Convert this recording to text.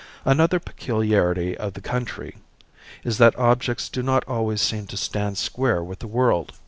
Another peculiarity of the country is that objects do not always seem to stand square with the world.